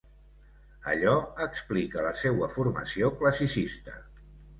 Allò explica la seua formació classicista.